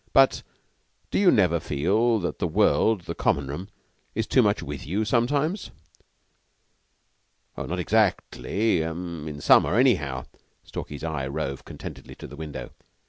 "But do you never feel that the world the Common room is too much with you sometimes?" "Not exactly in summer, anyhow." Stalky's eye roved contentedly to the window.